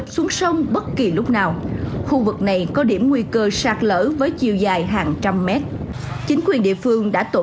tôi rất cảm ơn các công ty